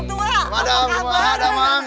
bapak apa kabarnya